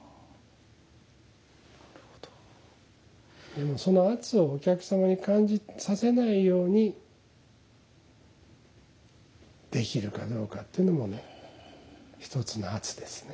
でもその圧をお客様に感じさせないようにできるかどうかっていうのもねひとつの圧ですね。